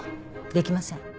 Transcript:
できません。